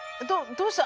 どうした？